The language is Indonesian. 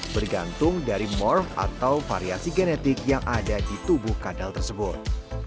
bergantung dari mor atau variasi genetik yang ada di tubuh kadal tersebut